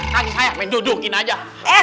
kaki saya menjujurin aja